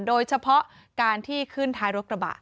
โดยเฉพาะการที่ขึ้นท้ายรถกระบะ